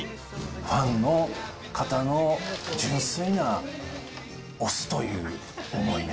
ファンの方の純粋な推すという思いね。